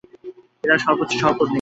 এরা সর্বোচ্চ সহকর্মী।